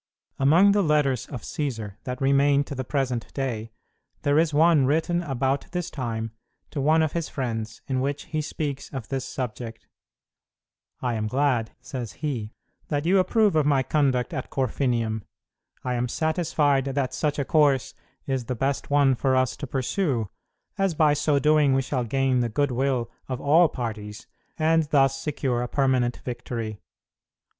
Among the letters of Cćsar that remain to the present day, there is one written about this time to one of his friends, in which he speaks of this subject. "I am glad," says he, "that you approve of my conduct at Corfinium. I am satisfied that such a course is the best one for us to pursue, as by so doing we shall gain the good will of all parties, and thus secure a permanent victory.